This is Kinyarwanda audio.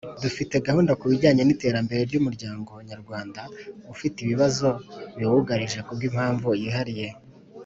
dufite gahunda kubijyanye n iterambere ry umuryango nyarwanda ufite ibibazo biwugarije kubw ‘impamvu yihariye